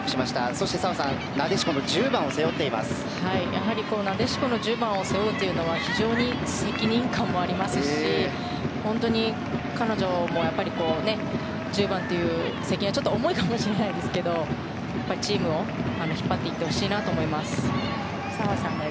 そして澤さんなでしこの１０番をやはり、なでしこの１０番を背負うというのは非常に責任感もありますし本当に、彼女も１０番という責任は、ちょっと重いかもしれないですけどチームを引っ張っていってほしいなと思います。